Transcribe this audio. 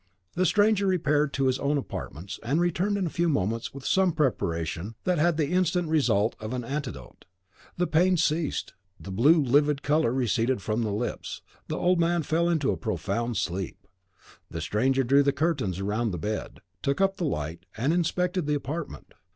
The stranger repaired to his own apartments, and returned in a few moments with some preparation that had the instant result of an antidote. The pain ceased, the blue and livid colour receded from the lips; the old man fell into a profound sleep. The stranger drew the curtains round the bed, took up the light, and inspected the apartment.